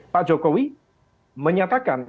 pak jokowi menyatakan